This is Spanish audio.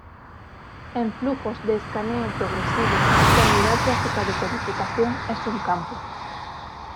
En flujos de escaneo progresivo, la unidad básica de codificación es un campo.